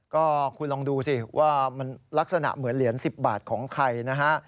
ก็คุณลองดูสิว่ามันลักษณะเหมือนเหรียญ๑๐บาทของใครนะฮะ